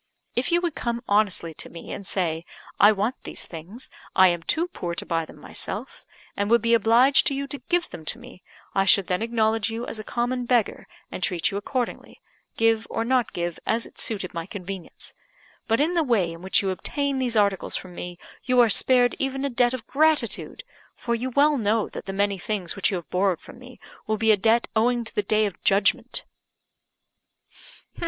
If you would come honestly to me and say, 'I want these things, I am too poor to buy them myself, and would be obliged to you to give them to me,' I should then acknowledge you as a common beggar, and treat you accordingly; give or not give, as it suited my convenience. But in the way in which you obtain these articles from me, you are spared even a debt of gratitude; for you well know that the many things which you have borrowed from me will be a debt owing to the Day of Judgment."